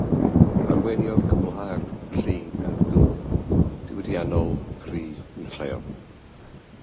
Arweiniodd cwblhau'r llyn at dwf diwydiannol cryf yn lleol.